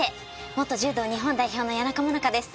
元柔道日本代表の谷中萌奈佳です。